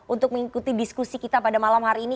untuk mengikuti diskusi kita pada malam hari ini